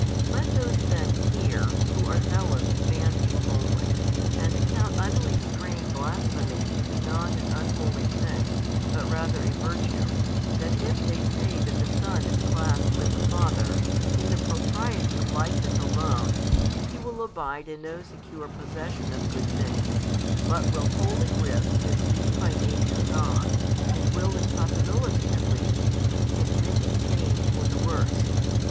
Let those then hear who are zealous in fancies only, and account unrestrained blasphemy to be not an unholy thing, but rather a virtue, that if they say that the Son is classed with the Father, in the propriety of likeness alone, He will abide in no secure possession of good things, but will wholly risk His being by Nature God, and will in possibility at least, admit of change for the worse.